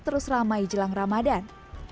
terus ramai jelang ramadan